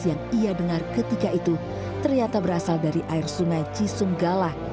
yang ia dengar ketika itu terlihat berasal dari air sungai cisung galah